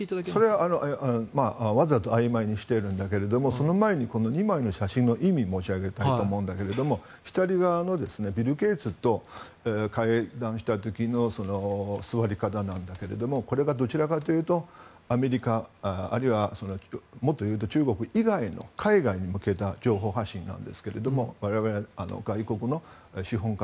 そこはわざとあいまいにしているんですがその前に２枚の写真の意味を申し上げたいと思うんですが左側のビル・ゲイツと会談した時の座り方ですがこれが、どちらかというとアメリカ、あるいはもっと言うと中国以外の海外に向けた情報発信なんですけども我々は外国の資本家